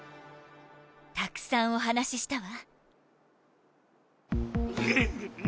たくさんお話ししたわ。